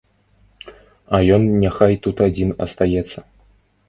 А ён няхай тут адзін астаецца.